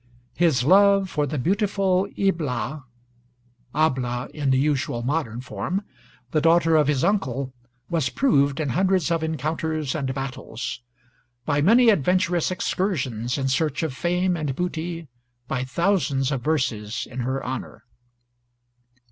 His love for the beautiful Ibla (Ablah in the usual modern form), the daughter of his uncle, was proved in hundreds of encounters and battles; by many adventurous excursions in search of fame and booty; by thousands of verses in her honor.